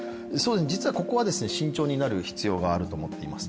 実はここは慎重になる必要があると思っています。